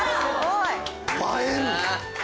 映える！